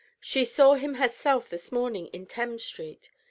She saw him herself this morning in Thames Street.